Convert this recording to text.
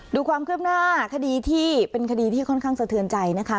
ดูความคืบหน้าคดีที่เป็นคดีที่ค่อนข้างสะเทือนใจนะคะ